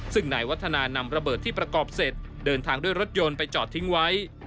ซึ่งนายวัฒนานำระเบิดที่ประกอบเสร็จเดินทางด้วยรถยนต์ไปจอดทิ้งไว้